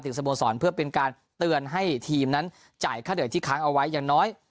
สโมสรเพื่อเป็นการเตือนให้ทีมนั้นจ่ายค่าเหนื่อยที่ค้างเอาไว้อย่างน้อย